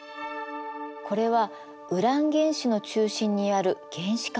これはウラン原子の中心にある原子核。